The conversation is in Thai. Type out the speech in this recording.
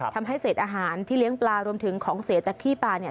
ทำให้เศษอาหารที่เลี้ยงปลารวมถึงของเสียจากขี้ปลาเนี่ย